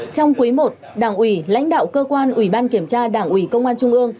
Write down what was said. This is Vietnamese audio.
trong quý i đảng ủy lãnh đạo cơ quan ủy ban kiểm tra đảng ủy công an trung ương